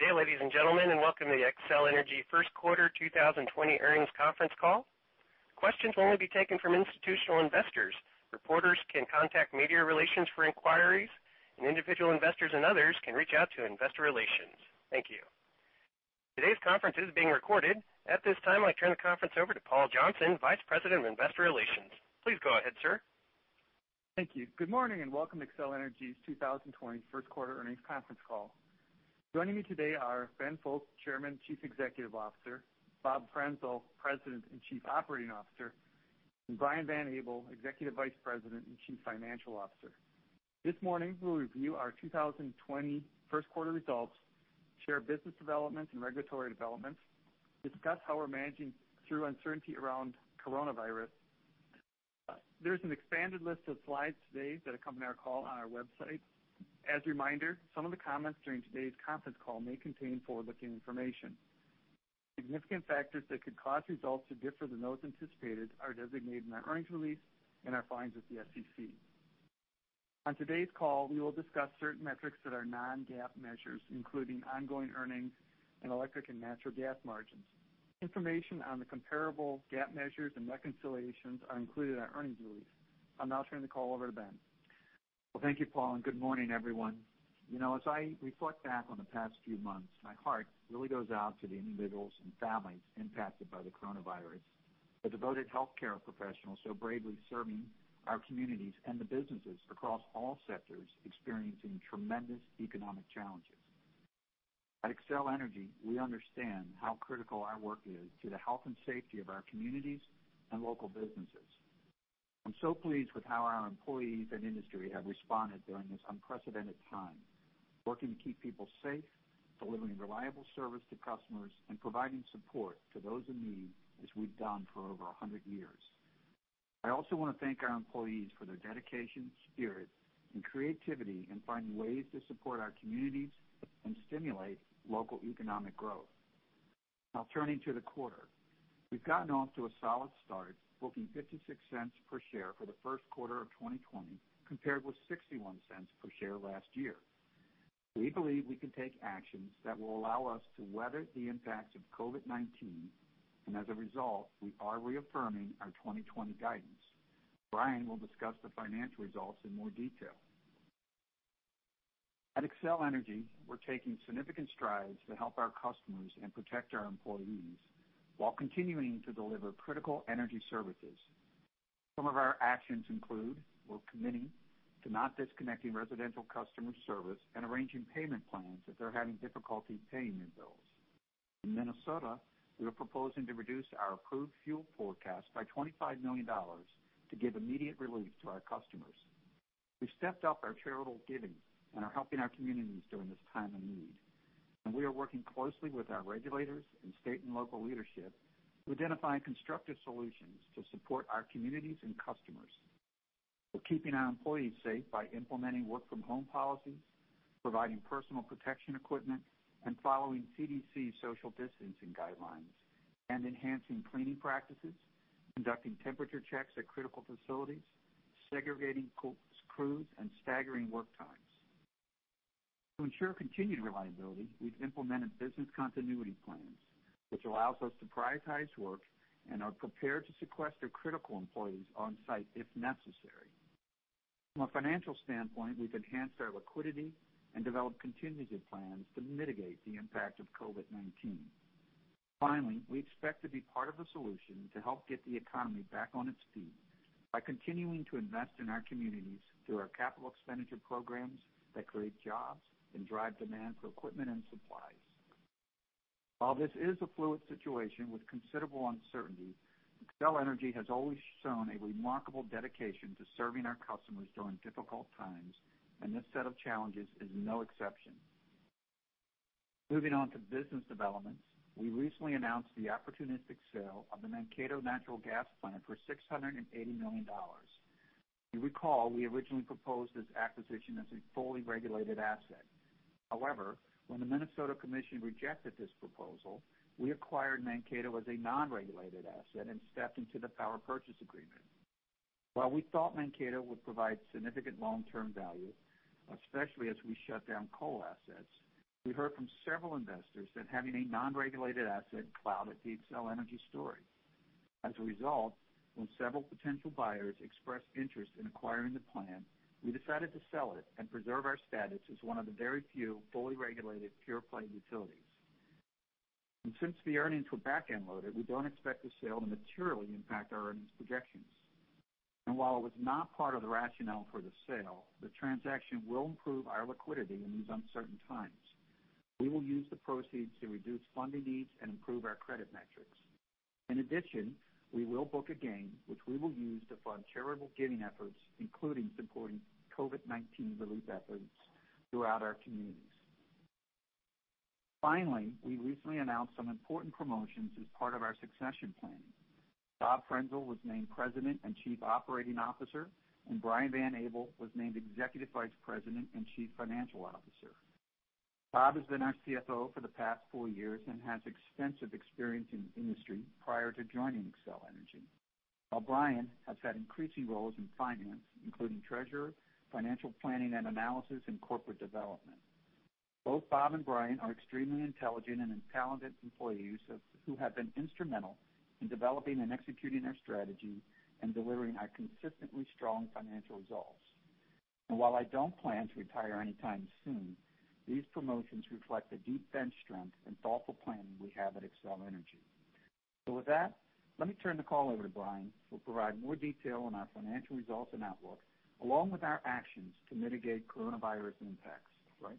Good day, ladies and gentlemen, and welcome to the Xcel Energy first quarter 2020 earnings conference call. Questions will only be taken from institutional investors. Reporters can contact Media Relations for inquiries, and individual investors and others can reach out to Investor Relations. Thank you. Today's conference is being recorded. At this time, I turn the conference over to Paul Johnson, Vice President of Investor Relations. Please go ahead, sir. Thank you. Good morning and welcome to Xcel Energy's 2020 first quarter earnings conference call. Joining me today are Ben Fowke, Chairman, Chief Executive Officer; Bob Frenzel, President and Chief Operating Officer; and Brian Van Abel, Executive Vice President and Chief Financial Officer. This morning, we'll review our 2020 first quarter results, share business developments and regulatory developments, discuss how we're managing through uncertainty around Coronavirus. There's an expanded list of slides today that accompany our call on our website. As a reminder, some of the comments during today's conference call may contain forward-looking information. Significant factors that could cause results to differ than those anticipated are designated in our earnings release and our filings with the SEC. On today's call, we will discuss certain metrics that are non-GAAP measures, including ongoing earnings and electric and natural gas margins. Information on the comparable GAAP measures and reconciliations are included in our earnings release. I'll now turn the call over to Ben. Well, thank you, Paul, and good morning, everyone. As I reflect back on the past few months, my heart really goes out to the individuals and families impacted by the Coronavirus, the devoted healthcare professionals so bravely serving our communities, and the businesses across all sectors experiencing tremendous economic challenges. At Xcel Energy, we understand how critical our work is to the health and safety of our communities and local businesses. I'm so pleased with how our employees and industry have responded during this unprecedented time, working to keep people safe, delivering reliable service to customers, and providing support to those in need as we've done for over 100 years. I also want to thank our employees for their dedication, spirit, and creativity in finding ways to support our communities and stimulate local economic growth. Now, turning to the quarter. We've gotten off to a solid start, booking $0.56 per share for the first quarter of 2020, compared with $0.61 per share last year. We believe we can take actions that will allow us to weather the impacts of COVID-19. As a result, we are reaffirming our 2020 guidance. Brian will discuss the financial results in more detail. At Xcel Energy, we're taking significant strides to help our customers and protect our employees while continuing to deliver critical energy services. Some of our actions include we're committing to not disconnecting residential customer service and arranging payment plans if they're having difficulty paying their bills. In Minnesota, we are proposing to reduce our approved fuel forecast by $25 million to give immediate relief to our customers. We've stepped up our charitable giving and are helping our communities during this time of need. We are working closely with our regulators and state and local leadership to identify constructive solutions to support our communities and customers. We're keeping our employees safe by implementing work-from-home policies, providing personal protection equipment, and following CDC social distancing guidelines, and enhancing cleaning practices, conducting temperature checks at critical facilities, segregating crews, and staggering work times. To ensure continued reliability, we've implemented business continuity plans, which allows us to prioritize work and are prepared to sequester critical employees on-site if necessary. From a financial standpoint, we've enhanced our liquidity and developed contingency plans to mitigate the impact of COVID-19. Finally, we expect to be part of the solution to help get the economy back on its feet by continuing to invest in our communities through our capital expenditure programs that create jobs and drive demand for equipment and supplies. While this is a fluid situation with considerable uncertainty, Xcel Energy has always shown a remarkable dedication to serving our customers during difficult times, and this set of challenges is no exception. Moving on to business developments. We recently announced the opportunistic sale of the Mankato Energy Center for $680 million. You recall, we originally proposed this acquisition as a fully regulated asset. However, when the Minnesota Commission rejected this proposal, we acquired Mankato as a non-regulated asset and stepped into the power purchase agreement. While we thought Mankato would provide significant long-term value, especially as we shut down coal assets, we heard from several investors that having a non-regulated asset clouded the Xcel Energy story. As a result, when several potential buyers expressed interest in acquiring the plant, we decided to sell it and preserve our status as one of the very few fully regulated pure-play utilities. Since the earnings were back-end loaded, we don't expect the sale to materially impact our earnings projections. While it was not part of the rationale for the sale, the transaction will improve our liquidity in these uncertain times. We will use the proceeds to reduce funding needs and improve our credit metrics. In addition, we will book a gain, which we will use to fund charitable giving efforts, including supporting COVID-19 relief efforts throughout our communities. Finally, we recently announced some important promotions as part of our succession planning. Bob Frenzel was named President and Chief Operating Officer, and Brian Van Abel was named Executive Vice President and Chief Financial Officer. Bob has been our CFO for the past four years and has extensive experience in the industry prior to joining Xcel Energy. While Brian has had increasing roles in finance, including treasurer, financial planning and analysis, and corporate development. Both Bob and Brian are extremely intelligent and talented employees who have been instrumental in developing and executing our strategy and delivering our consistently strong financial results. While I don't plan to retire anytime soon, these promotions reflect the deep bench strength and thoughtful planning we have at Xcel Energy. With that, let me turn the call over to Brian, who will provide more detail on our financial results and outlook, along with our actions to mitigate coronavirus impacts. Brian?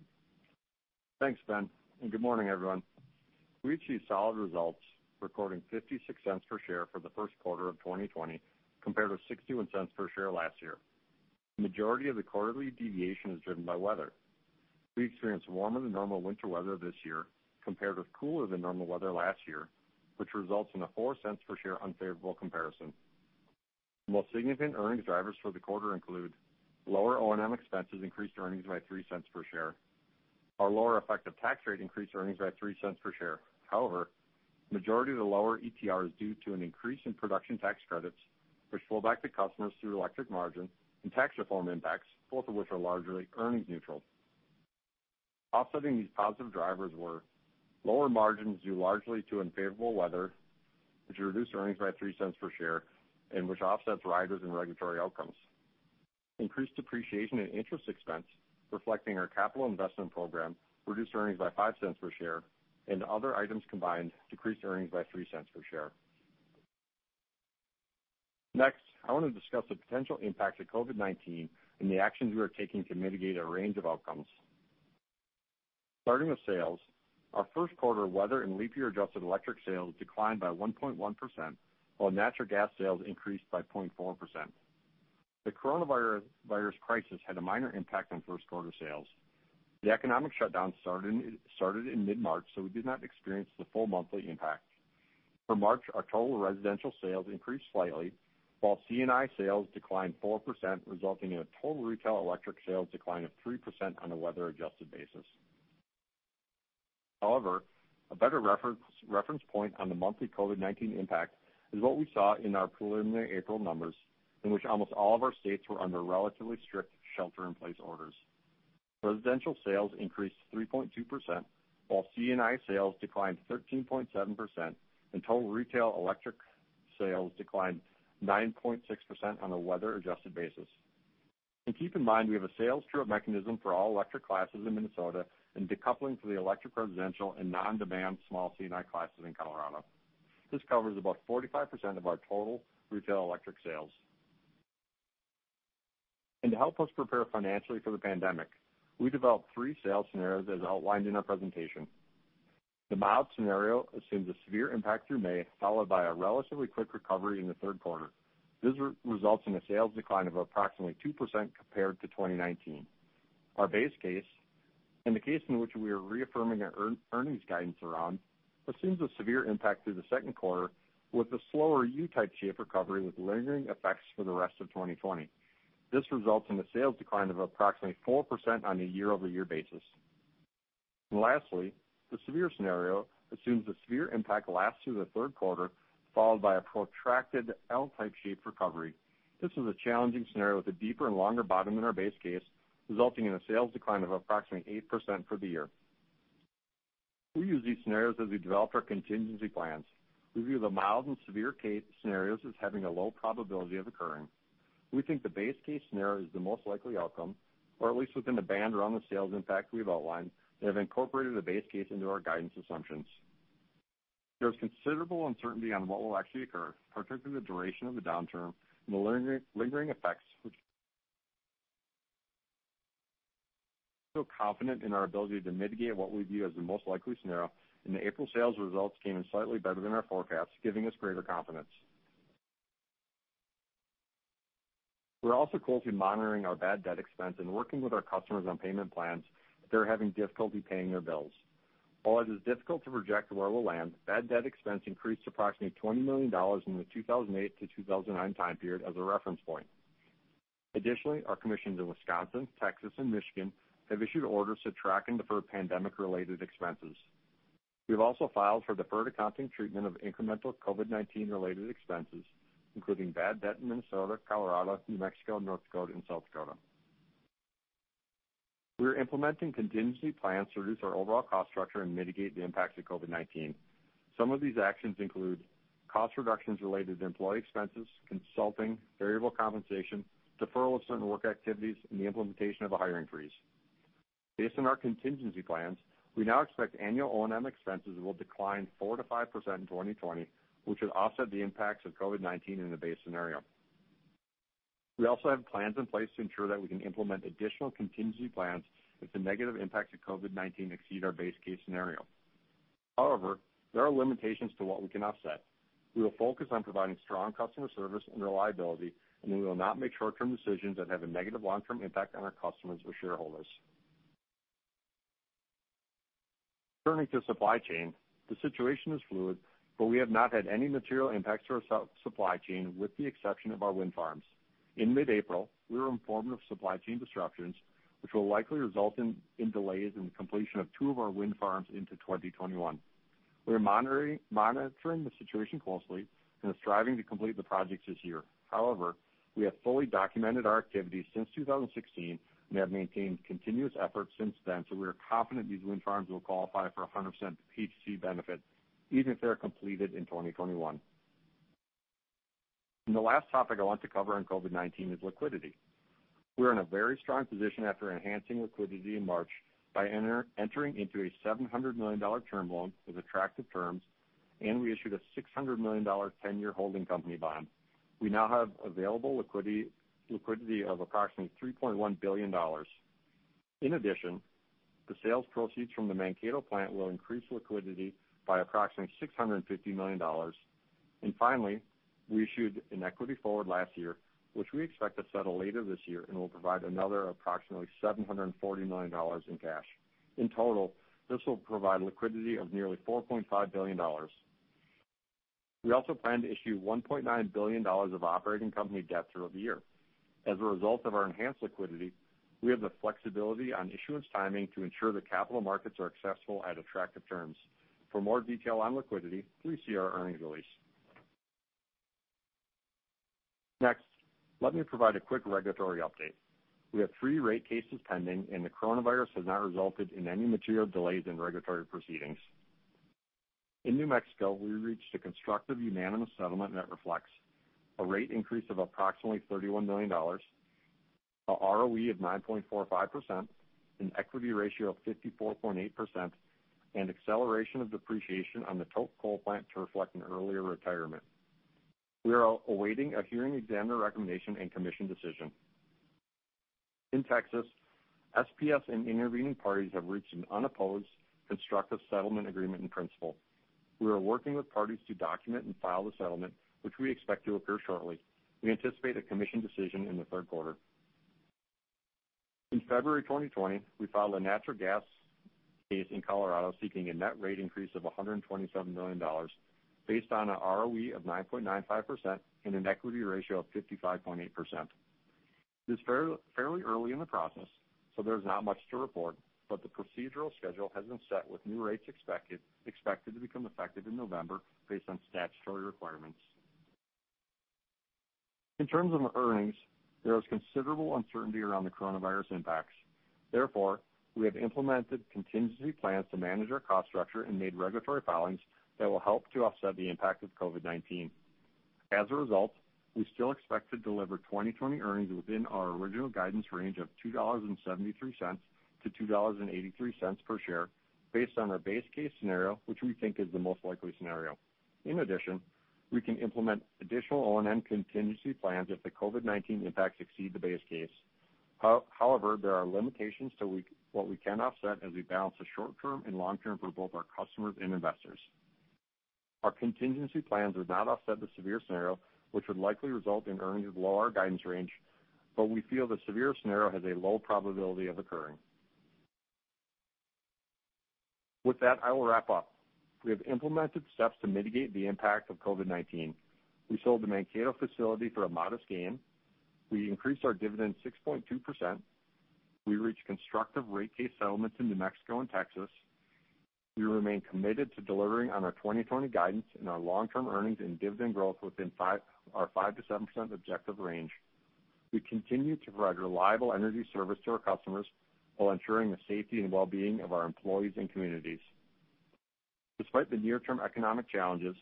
Thanks, Ben, good morning, everyone. We achieved solid results, recording $0.56 per share for the first quarter of 2020 compared with $0.61 per share last year. The majority of the quarterly deviation is driven by weather. We experienced warmer than normal winter weather this year compared with cooler than normal weather last year, which results in a $0.04 per share unfavorable comparison. The most significant earnings drivers for the quarter include lower O&M expenses, increased earnings by $0.03 per share. Our lower effective tax rate increased earnings by $0.03 per share. However, the majority of the lower ETR is due to an increase in production tax credits, which flow back to customers through electric margin and tax reform impacts, both of which are largely earnings neutral. Offsetting these positive drivers were lower margins, due largely to unfavorable weather, which reduced earnings by $0.03 per share and which offsets riders and regulatory outcomes. Increased depreciation and interest expense, reflecting our capital investment program, reduced earnings by $0.05 per share, and other items combined decreased earnings by $0.03 per share. Next, I want to discuss the potential impacts of COVID-19 and the actions we are taking to mitigate a range of outcomes. Starting with sales, our first quarter weather and leap year-adjusted electric sales declined by 1.1%, while natural gas sales increased by 0.4%. The coronavirus crisis had a minor impact on first-quarter sales. The economic shutdown started in mid-March, so we did not experience the full monthly impact. For March, our total residential sales increased slightly, while C&I sales declined 4%, resulting in a total retail electric sales decline of 3% on a weather-adjusted basis. A better reference point on the monthly COVID-19 impact is what we saw in our preliminary April numbers, in which almost all of our states were under relatively strict shelter-in-place orders. Residential sales increased 3.2%, while C&I sales declined 13.7%, and total retail electric sales declined 9.6% on a weather-adjusted basis. Keep in mind, we have a sales true-up mechanism for all electric classes in Minnesota and decoupling for the electric, residential, and non-demand small C&I classes in Colorado. This covers about 45% of our total retail electric sales. To help us prepare financially for the pandemic, we developed three sales scenarios as outlined in our presentation. The mild scenario assumes a severe impact through May, followed by a relatively quick recovery in the third quarter. This results in a sales decline of approximately 2% compared to 2019. Our base case, and the case in which we are reaffirming our earnings guidance around, assumes a severe impact through the second quarter with a slower U-type shape recovery with lingering effects for the rest of 2020. This results in a sales decline of approximately 4% on a year-over-year basis. Lastly, the severe scenario assumes the severe impact lasts through the third quarter, followed by a protracted L-type shaped recovery. This is a challenging scenario with a deeper and longer bottom than our base case, resulting in a sales decline of approximately 8% for the year. We use these scenarios as we develop our contingency plans. We view the mild and severe case scenarios as having a low probability of occurring. We think the base case scenario is the most likely outcome, or at least within the band around the sales impact we've outlined, and have incorporated the base case into our guidance assumptions. There is considerable uncertainty on what will actually occur, particularly the duration of the downturn and the lingering effects, which feel confident in our ability to mitigate what we view as the most likely scenario, and the April sales results came in slightly better than our forecasts, giving us greater confidence. We're also closely monitoring our bad debt expense and working with our customers on payment plans if they're having difficulty paying their bills. While it is difficult to project where we'll land, bad debt expense increased approximately $20 million in the 2008-2009 time period as a reference point. Additionally, our commissions in Wisconsin, Texas, and Michigan have issued orders to track and defer pandemic-related expenses. We've also filed for deferred accounting treatment of incremental COVID-19-related expenses, including bad debt in Minnesota, Colorado, New Mexico, North Dakota, and South Dakota. We are implementing contingency plans to reduce our overall cost structure and mitigate the impacts of COVID-19. Some of these actions include cost reductions related to employee expenses, consulting, variable compensation, deferral of certain work activities, and the implementation of a hiring freeze. Based on our contingency plans, we now expect annual O&M expenses will decline 4%-5% in 2020, which would offset the impacts of COVID-19 in the base scenario. We also have plans in place to ensure that we can implement additional contingency plans if the negative impacts of COVID-19 exceed our base case scenario. There are limitations to what we can offset. We will focus on providing strong customer service and reliability. We will not make short-term decisions that have a negative long-term impact on our customers or shareholders. Turning to supply chain. The situation is fluid. We have not had any material impacts to our supply chain with the exception of our wind farms. In mid-April, we were informed of supply chain disruptions, which will likely result in delays in the completion of two of our wind farms into 2021. We are monitoring the situation closely. We are striving to complete the projects this year. We have fully documented our activities since 2016 and have maintained continuous efforts since then. We are confident these wind farms will qualify for 100% PTC benefits even if they are completed in 2021. The last topic I want to cover on COVID-19 is liquidity. We are in a very strong position after enhancing liquidity in March by entering into a $700 million term loan with attractive terms. We issued a $600 million 10-year holding company bond. We now have available liquidity of approximately $3.1 billion. In addition, the sales proceeds from the Mankato plant will increase liquidity by approximately $650 million. Finally, we issued an equity forward last year, which we expect to settle later this year and will provide another approximately $740 million in cash. In total, this will provide liquidity of nearly $4.5 billion. We also plan to issue $1.9 billion of operating company debt throughout the year. As a result of our enhanced liquidity, we have the flexibility on issuance timing to ensure the capital markets are accessible at attractive terms. For more detail on liquidity, please see our earnings release. Next, let me provide a quick regulatory update. We have three rate cases pending, and the coronavirus has not resulted in any material delays in regulatory proceedings. In New Mexico, we reached a constructive unanimous settlement that reflects a rate increase of approximately $31 million, a ROE of 9.45%, an equity ratio of 54.8%, and acceleration of depreciation on the Tolk coal plant to reflect an earlier retirement. We are awaiting a hearing examiner recommendation and commission decision. In Texas, SPS and intervening parties have reached an unopposed, constructive settlement agreement in principle. We are working with parties to document and file the settlement, which we expect to occur shortly. We anticipate a commission decision in the third quarter. In February 2020, we filed a natural gas case in Colorado seeking a net rate increase of $127 million based on an ROE of 9.95% and an equity ratio of 55.8%. It is fairly early in the process, so there's not much to report, but the procedural schedule has been set with new rates expected to become effective in November based on statutory requirements. In terms of earnings, there is considerable uncertainty around the coronavirus impacts. Therefore, we have implemented contingency plans to manage our cost structure and made regulatory filings that will help to offset the impact of COVID-19. As a result, we still expect to deliver 2020 earnings within our original guidance range of $2.73-$2.83 per share based on our base case scenario, which we think is the most likely scenario. In addition, we can implement additional O&M contingency plans if the COVID-19 impacts exceed the base case. However, there are limitations to what we can offset as we balance the short-term and long-term for both our customers and investors. Our contingency plans would not offset the severe scenario, which would likely result in earnings below our guidance range, but we feel the severe scenario has a low probability of occurring. With that, I will wrap up. We have implemented steps to mitigate the impact of COVID-19. We sold the Mankato facility for a modest gain. We increased our dividend 6.2%. We reached constructive rate case settlements in New Mexico and Texas. We remain committed to delivering on our 2020 guidance and our long-term earnings and dividend growth within our 5%-7% objective range. We continue to provide reliable energy service to our customers while ensuring the safety and well-being of our employees and communities. Despite the near-term economic challenges,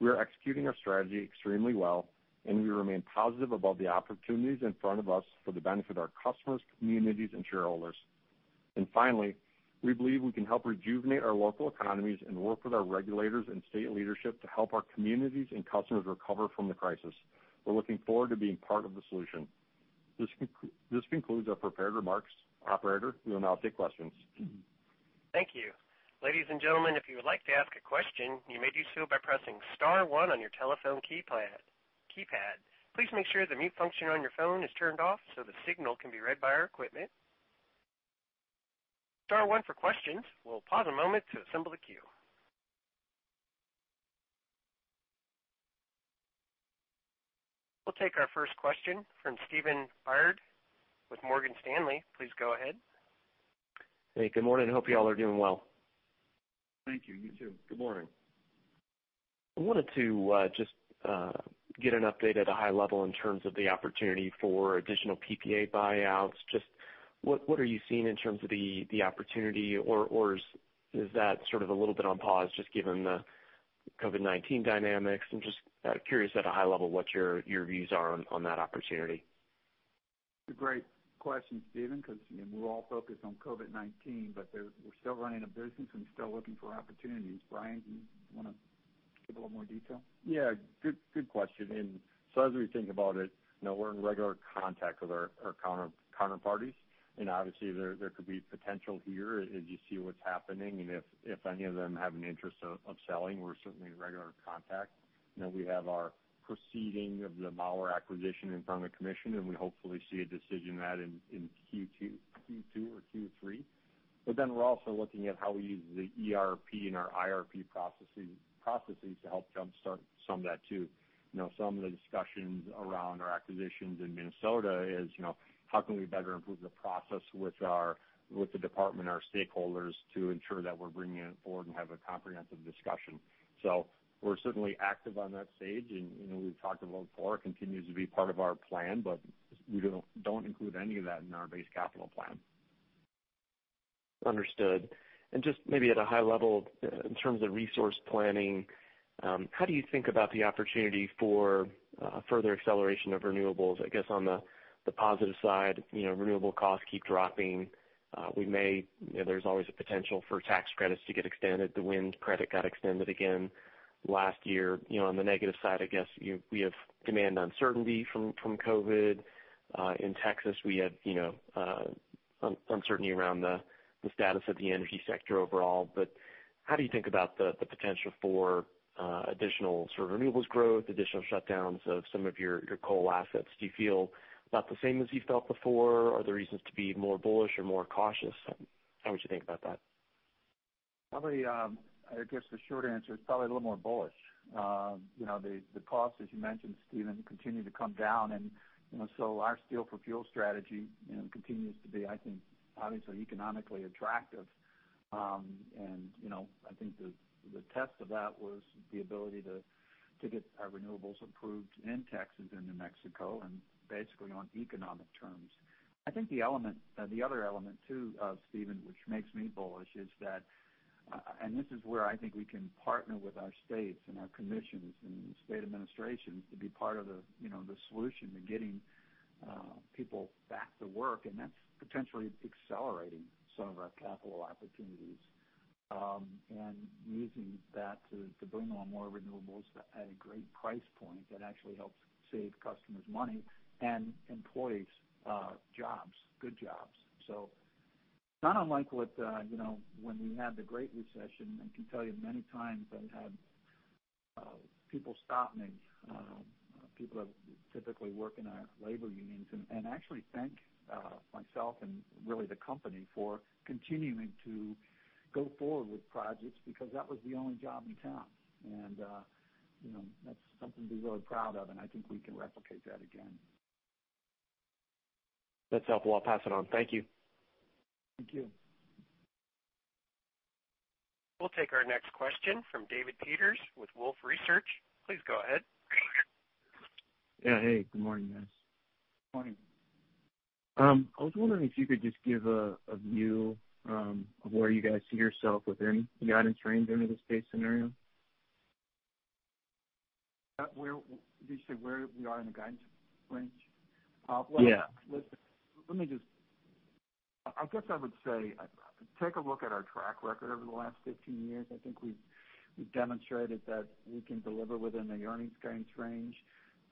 we are executing our strategy extremely well, and we remain positive about the opportunities in front of us for the benefit of our customers, communities, and shareholders. Finally, we believe we can help rejuvenate our local economies and work with our regulators and state leadership to help our communities and customers recover from the crisis. We're looking forward to being part of the solution. This concludes our prepared remarks. Operator, we will now take questions. Thank you. Ladies and gentlemen, if you would like to ask a question, you may do so by pressing star one on your telephone keypad. Please make sure the mute function on your phone is turned off so the signal can be read by our equipment. Star one for questions. We'll pause a moment to assemble the queue. We'll take our first question from Stephen Byrd with Morgan Stanley. Please go ahead. Hey, good morning. Hope you all are doing well. Thank you. You, too. Good morning. I wanted to just get an update at a high level in terms of the opportunity for additional PPA buyouts. What are you seeing in terms of the opportunity, or is that sort of a little bit on pause just given the COVID-19 dynamics? I'm just curious at a high level what your views are on that opportunity. It's a great question, Stephen, because we're all focused on COVID-19, but we're still running a business and we're still looking for opportunities. Brian, do you want to give a little more detail? Yeah. Good question. As we think about it, we're in regular contact with our counterparties, and obviously there could be potential here as you see what's happening, and if any of them have an interest of selling, we're certainly in regular contact. We have our proceeding of the Boulder acquisition in front of Commission, and we hopefully see a decision on that in Q2 or Q3. We're also looking at how we use the ERP and our IRP processes to help jumpstart some of that too. Some of the discussions around our acquisitions in Minnesota is, how can we better improve the process with the department, our stakeholders, to ensure that we're bringing it forward and have a comprehensive discussion. We're certainly active on that stage, and we've talked about it before, continues to be part of our plan, but we don't include any of that in our base capital plan. Understood. Just maybe at a high level, in terms of resource planning, how do you think about the opportunity for further acceleration of renewables? I guess on the positive side, renewable costs keep dropping. There's always a potential for tax credits to get extended. The wind credit got extended again last year. On the negative side, I guess, we have demand uncertainty from COVID-19. In Texas, we have uncertainty around the status of the energy sector overall. How do you think about the potential for additional sort of renewables growth, additional shutdowns of some of your coal assets? Do you feel about the same as you felt before? Are there reasons to be more bullish or more cautious? How would you think about that? Probably, I guess the short answer is probably a little more bullish. The cost, as you mentioned, Stephen, continue to come down, and so our Steel-for-Fuel strategy continues to be, I think, obviously economically attractive. I think the test of that was the ability to get our renewables approved in Texas and New Mexico, and basically on economic terms. I think the other element, too, Stephen, which makes me bullish is that this is where I think we can partner with our states and our commissions and state administrations to be part of the solution in getting people back to work, that's potentially accelerating some of our capital opportunities. Using that to bring on more renewables at a great price point that actually helps save customers money and employees jobs, good jobs. Not unlike when we had the Great Recession, I can tell you many times I've had people stop me, people that typically work in our labor unions, and actually thank myself and really the company for continuing to go forward with projects because that was the only job in town. That's something to be really proud of, and I think we can replicate that again. That's helpful. I'll pass it on. Thank you. Thank you. We'll take our next question from David Peters with Wolfe Research. Please go ahead. Yeah, hey, good morning, guys. Morning. I was wondering if you could just give a view of where you guys see yourself within the guidance range under the base case scenario? Did you say where we are in the guidance range? Yeah. I guess I would say, take a look at our track record over the last 15 years. I think we've demonstrated that we can deliver within the earnings guidance range.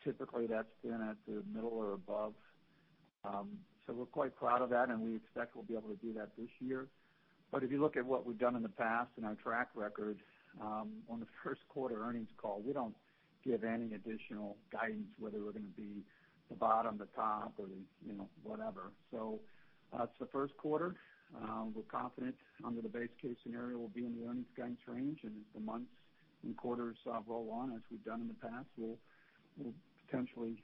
Typically, that's been at the middle or above. We're quite proud of that, and we expect we'll be able to do that this year. If you look at what we've done in the past and our track record on the first quarter earnings call, we don't give any additional guidance whether we're going to be the bottom, the top, or whatever. It's the first quarter. We're confident under the base case scenario we'll be in the earnings guidance range, and as the months and quarters roll on, as we've done in the past, we'll potentially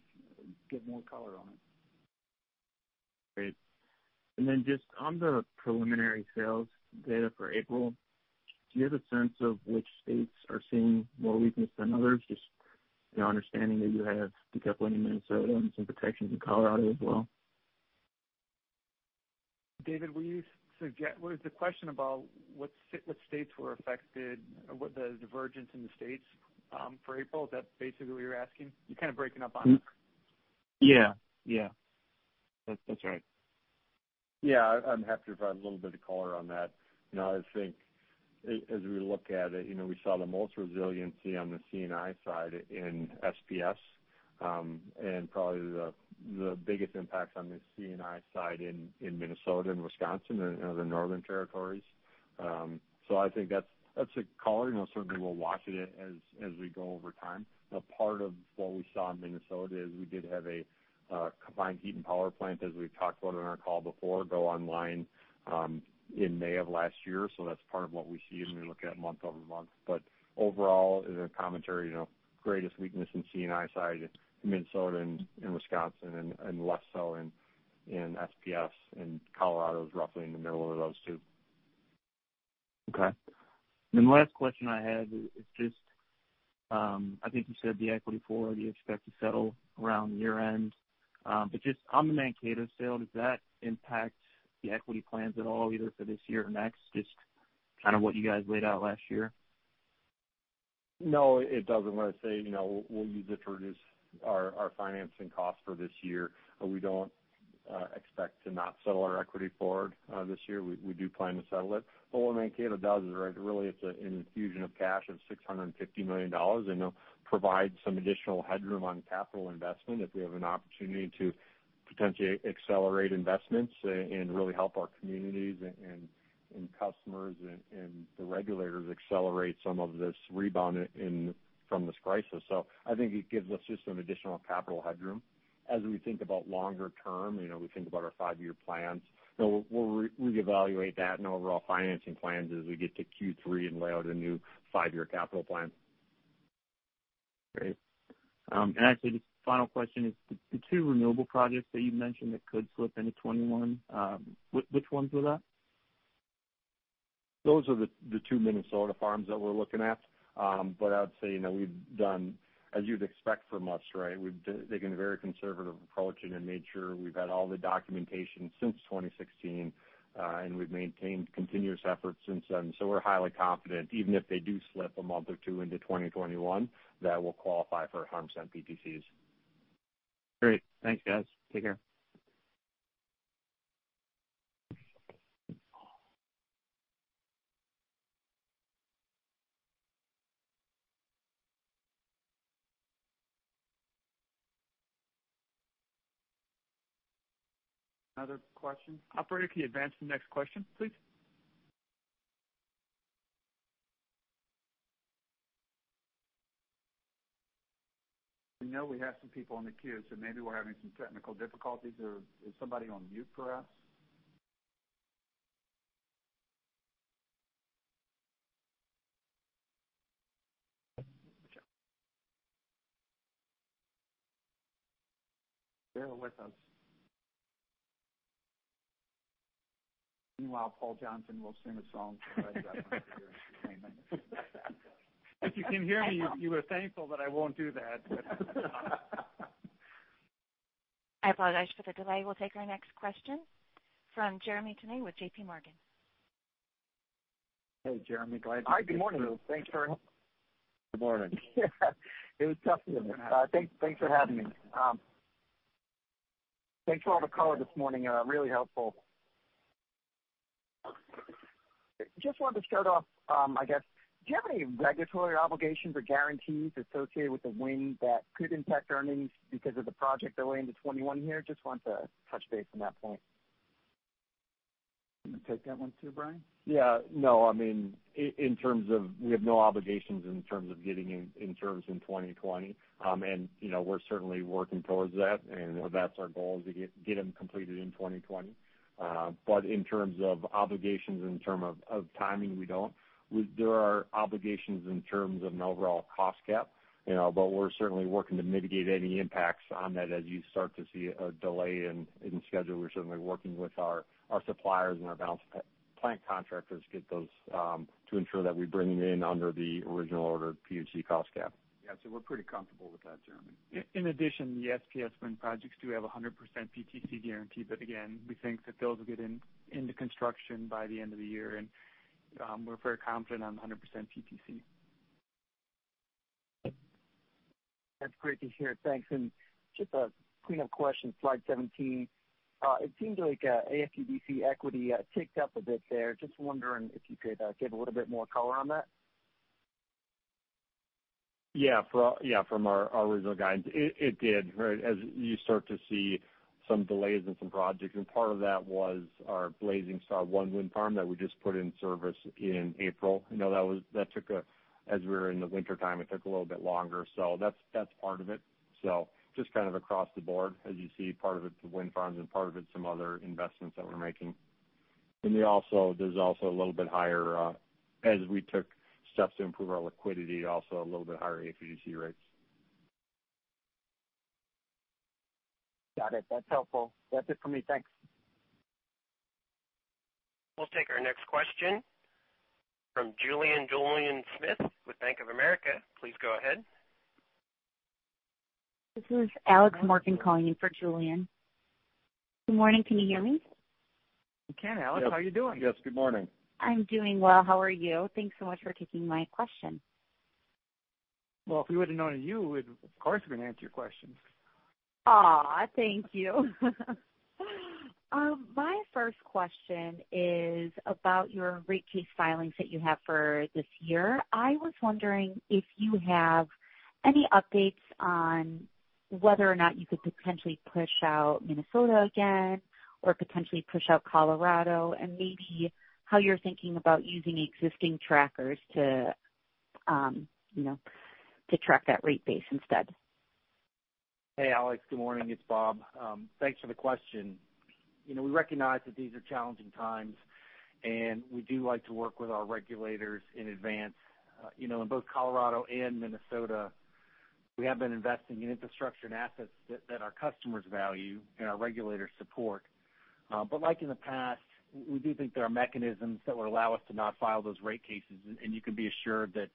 give more color on it. Great. Just on the preliminary sales data for April, do you have a sense of which states are seeing more weakness than others? Just the understanding that you have decoupling in Minnesota and some protections in Colorado as well. David, was the question about what states were affected, what the divergence in the states for April? Is that basically what you're asking? You're kind of breaking up on us. Yeah. That's right. Yeah, I'm happy to provide a little bit of color on that. I think as we look at it, we saw the most resiliency on the C&I side in SPS. Probably the biggest impacts on the C&I side in Minnesota and Wisconsin and the northern territories. I think that's a color. Certainly we'll watch it as we go over time. A part of what we saw in Minnesota is we did have a combined heat and power plant, as we've talked about on our call before, go online in May of last year, so that's part of what we see when we look at month-over-month. Overall, as a commentary, greatest weakness in C&I side in Minnesota and Wisconsin, and less so in SPS. Colorado is roughly in the middle of those two. Okay. The last question I had is just, I think you said the equity forward you expect to settle around year-end. Just on the Mankato sale, does that impact the equity plans at all, either for this year or next? Just kind of what you guys laid out last year. No, it doesn't. When I say we'll use it to reduce our financing cost for this year, but we don't expect to not settle our equity forward this year. We do plan to settle it. What Mankato does is really it's an infusion of cash of $650 million, and it'll provide some additional headroom on capital investment if we have an opportunity to potentially accelerate investments and really help our communities and customers and the regulators accelerate some of this rebound from this crisis. I think it gives us just some additional capital headroom. As we think about longer term, we think about our five-year plans. We'll reevaluate that and overall financing plans as we get to Q3 and lay out a new five-year capital plan. Great. Actually, the final question is the two renewable projects that you mentioned that could slip into 2021, which ones were that? Those are the two Minnesota farms that we're looking at. I would say, as you'd expect from us, right? We've taken a very conservative approach and then made sure we've had all the documentation since 2016, and we've maintained continuous effort since then. We're highly confident, even if they do slip a month or two into 2021, that we'll qualify for 100% PTCs. Great. Thanks, guys. Take care. Another question. Operator, can you advance the next question, please? We know we have some people in the queue, so maybe we're having some technical difficulties or is somebody on mute, perhaps? Bear with us. Meanwhile, Paul Johnson will sing a song to pass that time. If you can hear me, you are thankful that I won't do that. I apologize for the delay. We'll take our next question from Jeremy Tonet with JPMorgan. Hey, Jeremy. Glad you could make it. Hi, good morning. Good morning. It was tough to get in there. Thanks for having me. Thanks for all the color this morning. Really helpful. Just wanted to start off, I guess, do you have any regulatory obligations or guarantees associated with the wind that could impact earnings because of the project delay into 2021 here? Just want to touch base on that point. You want to take that one too, Brian? Yeah. No, we have no obligations in terms of getting in service in 2020. We're certainly working towards that, and that's our goal is to get them completed in 2020. In terms of obligations, in term of timing, we don't. There are obligations in terms of an overall cost cap. We're certainly working to mitigate any impacts on that as you start to see a delay in schedule. We're certainly working with our suppliers and our balance of plant contractors to ensure that we bring them in under the original ordered PHG cost cap. Yeah. We're pretty comfortable with that, Jeremy. In addition, the SPS wind projects do have 100% PTC guarantee. Again, we think that those will get into construction by the end of the year. We're very confident on the 100% PTC. That's great to hear. Thanks. Just a cleanup question, slide 17. It seems like AFUDC equity ticked up a bit there. Just wondering if you could give a little bit more color on that. Yeah. From our original guidance, it did, right? As you start to see some delays in some projects, and part of that was our Blazing Star 1 wind farm that we just put in service in April. As we were in the wintertime, it took a little bit longer. That's part of it. Just kind of across the board, as you see, part of it's the wind farms and part of it's some other investments that we're making. There's also a little bit higher, as we took steps to improve our liquidity, also a little bit higher AFUDC rates. Got it. That's helpful. That's it for me. Thanks. We'll take our next question from Julien Dumoulin-Smith with Bank of America. Please go ahead. This is Alex Morgan calling in for Julien. Good morning. Can you hear me? We can, Alex. How are you doing? Yes. Good morning. I'm doing well. How are you? Thanks so much for taking my question. Well, if we would've known it was you, we'd of course have answered your question. Thank you. My first question is about your rate case filings that you have for this year. I was wondering if you have any updates on whether or not you could potentially push out Minnesota again or potentially push out Colorado, and maybe how you're thinking about using existing trackers to track that rate base instead. Hey, Alex. Good morning. It's Bob. Thanks for the question. We recognize that these are challenging times, and we do like to work with our regulators in advance. In both Colorado and Minnesota, we have been investing in infrastructure and assets that our customers value and our regulators support. Like in the past, we do think there are mechanisms that would allow us to not file those rate cases, and you can be assured that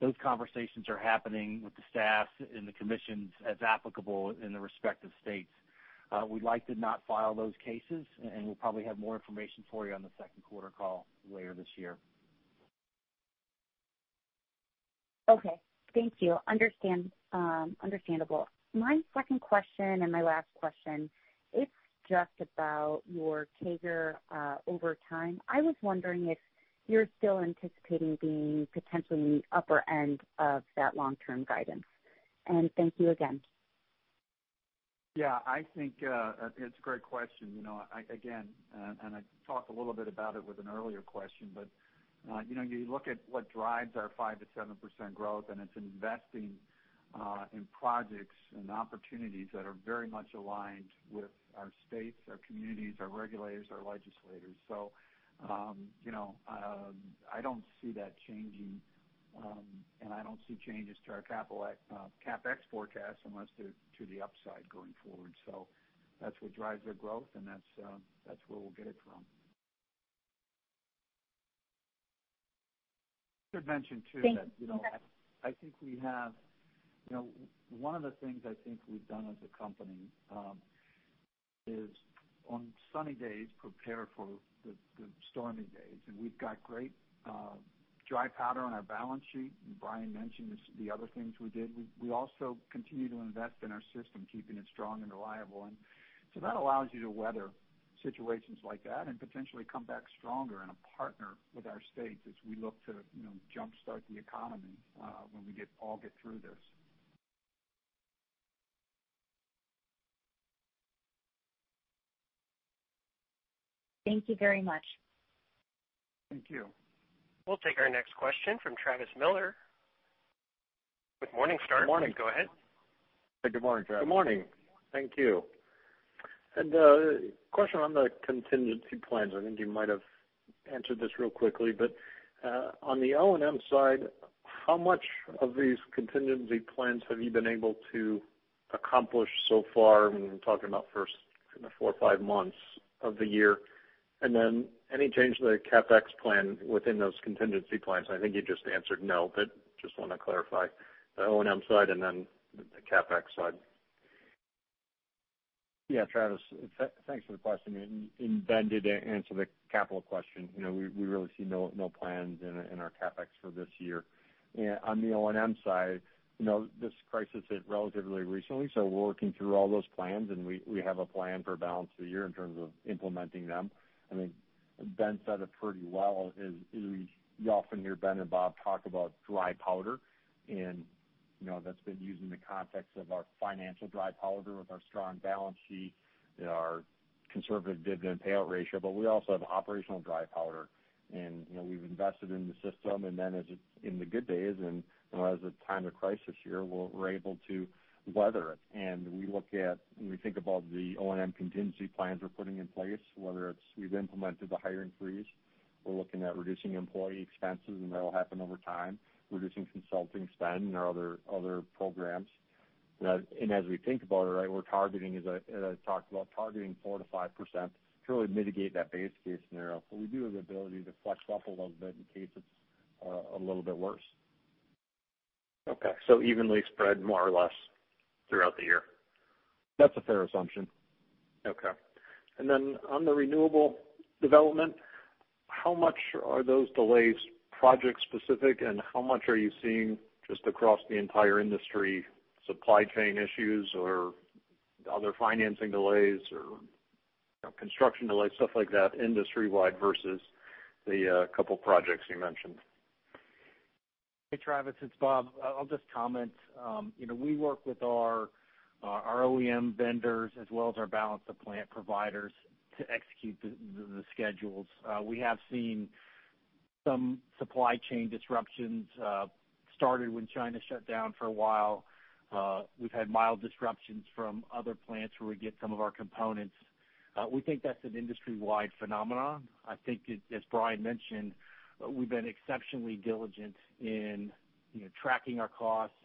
those conversations are happening with the staff and the commissions as applicable in the respective states. We'd like to not file those cases, and we'll probably have more information for you on the second quarter call later this year. Okay. Thank you. Understandable. My second question and my last question, it's just about your CAGR over time. I was wondering if you're still anticipating being potentially in the upper end of that long-term guidance. Thank you again. Yeah, I think it's a great question. I talked a little bit about it with an earlier question, you look at what drives our 5%-7% growth, it's investing in projects and opportunities that are very much aligned with our states, our communities, our regulators, our legislators. I don't see that changing, I don't see changes to our CapEx forecast unless they're to the upside going forward. That's what drives our growth, that's where we'll get it from. Thanks One of the things I think we've done as a company, is on sunny days, prepare for the stormy days. We've got great dry powder on our balance sheet, and Brian mentioned the other things we did. We also continue to invest in our system, keeping it strong and reliable. That allows you to weather situations like that and potentially come back stronger and a partner with our states as we look to jumpstart the economy when we all get through this. Thank you very much. Thank you. We'll take our next question from Travis Miller. Good morning, sir. Good morning. Please go ahead. Good morning, Travis. Good morning. Thank you. A question on the contingency plans. I think you might have answered this real quickly, but on the O&M side, how much of these contingency plans have you been able to accomplish so far? I'm talking about first four or five months of the year. Then any change to the CapEx plan within those contingency plans? I think you just answered no, but just want to clarify the O&M side and then the CapEx side. Yeah, Travis, thanks for the question. Ben did answer the capital question. We really see no plans in our CapEx for this year. On the O&M side, this crisis hit relatively recently, so we're working through all those plans, and we have a plan for balance of the year in terms of implementing them. I think Ben said it pretty well, is you often hear Ben and Bob talk about dry powder, and that's been used in the context of our financial dry powder with our strong balance sheet and our conservative dividend payout ratio. We also have operational dry powder, and we've invested in the system. In the good days and as a time of crisis year, we're able to weather it. We look at when we think about the O&M contingency plans we're putting in place, whether it's we've implemented the hiring freeze. We're looking at reducing employee expenses, and that'll happen over time, reducing consulting spend and our other programs. As we think about it, we're targeting, as I talked about, targeting 4%-5% to really mitigate that base case scenario. We do have the ability to flex up a little bit in case it's a little bit worse. Okay. Evenly spread more or less throughout the year? That's a fair assumption. Okay. On the renewable development, how much are those delays project-specific, and how much are you seeing just across the entire industry, supply chain issues or other financing delays or construction delays, stuff like that, industry-wide versus the couple projects you mentioned? Hey, Travis, it's Bob. I'll just comment. We work with our OEM vendors as well as our balance of plant providers to execute the schedules. We have seen some supply chain disruptions, started when China shut down for a while. We've had mild disruptions from other plants where we get some of our components. We think that's an industry-wide phenomenon. I think as Brian mentioned, we've been exceptionally diligent in tracking our costs.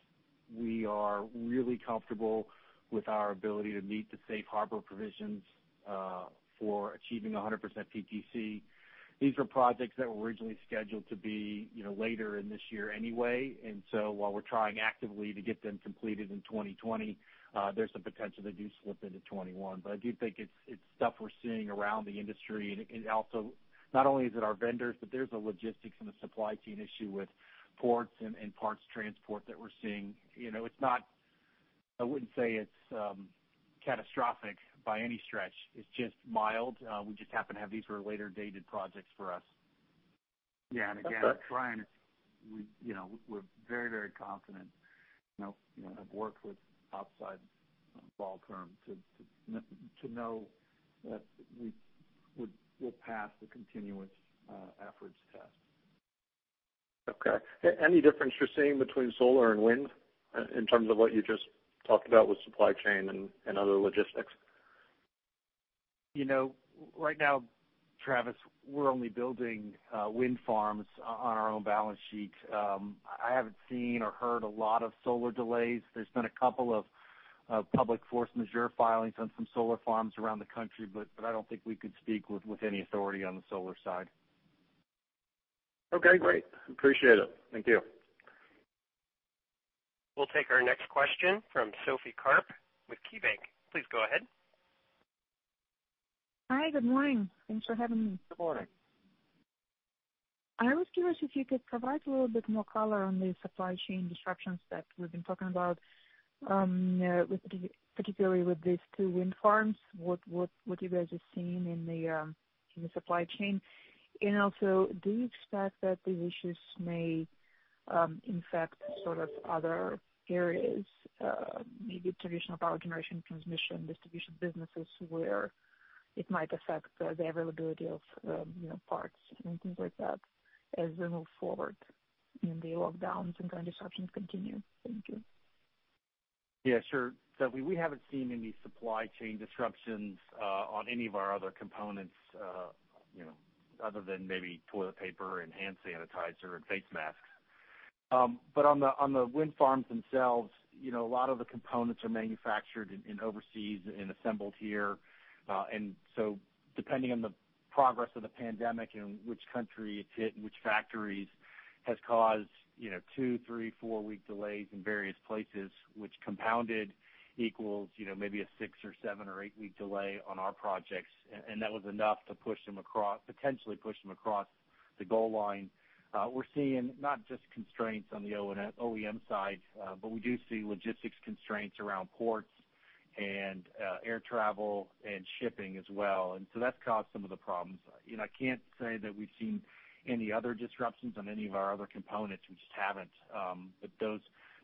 We are really comfortable with our ability to meet the safe harbor provisions for achieving 100% PTC. These are projects that were originally scheduled to be later in this year anyway. While we're trying actively to get them completed in 2020, there's some potential they do slip into 2021. I do think it's stuff we're seeing around the industry. Also, not only is it our vendors, but there is a logistics and a supply chain issue with ports and parts transport that we are seeing. I wouldn't say it's catastrophic by any stretch. It's just mild. We just happen to have these were later-dated projects for us. Okay. Yeah, again, Brian, we're very confident, have worked with outside law firms to know that we'll pass the continuous efforts test. Okay. Any difference you're seeing between solar and wind in terms of what you just talked about with supply chain and other logistics? Right now, Travis, we're only building wind farms on our own balance sheet. I haven't seen or heard a lot of solar delays. There's been a couple of public force majeure filings on some solar farms around the country, but I don't think we could speak with any authority on the solar side. Okay, great. Appreciate it. Thank you. We'll take our next question from Sophie Karp with KeyBanc. Please go ahead. Hi. Good morning. Thanks for having me. Good morning. I was curious if you could provide a little bit more color on the supply chain disruptions that we've been talking about, particularly with these two wind farms, what you guys are seeing in the supply chain. Also, do you expect that these issues may impact sort of other areas maybe traditional power generation, transmission, distribution businesses where it might affect the availability of parts and things like that as we move forward in the lockdowns and current disruptions continue. Thank you. Yeah, sure. We haven't seen any supply chain disruptions on any of our other components, other than maybe toilet paper and hand sanitizer and face masks. On the wind farms themselves, a lot of the components are manufactured overseas and assembled here. Depending on the progress of the pandemic and which country it's hit and which factories has caused two, three, four-week delays in various places, which compounded equals maybe a six or seven or eight-week delay on our projects. That was enough to potentially push them across the goal line. We're seeing not just constraints on the OEM side, but we do see logistics constraints around ports and air travel and shipping as well. That's caused some of the problems. I can't say that we've seen any other disruptions on any of our other components. We just haven't.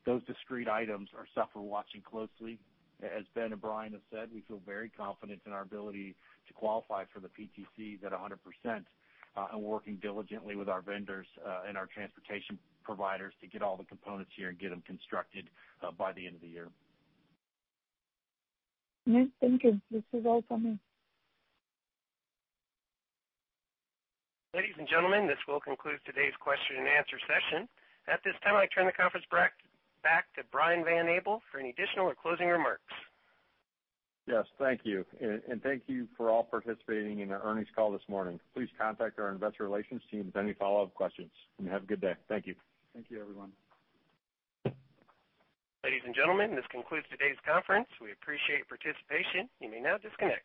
Those discrete items are stuff we're watching closely. As Ben and Brian have said, we feel very confident in our ability to qualify for the PTCs at 100%, and working diligently with our vendors and our transportation providers to get all the components here and get them constructed by the end of the year. Yeah. Thank you. This is all from me. Ladies and gentlemen, this will conclude today's question and answer session. At this time, I turn the conference back to Brian Van Abel for any additional or closing remarks. Yes. Thank you. Thank you for all participating in our earnings call this morning. Please contact our investor relations team with any follow-up questions, and have a good day. Thank you. Thank you, everyone. Ladies and gentlemen, this concludes today's conference. We appreciate participation. You may now disconnect.